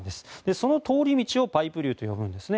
その通り道をパイプ流と呼ぶんですね。